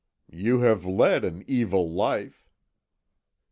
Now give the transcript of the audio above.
"You have led an evil life."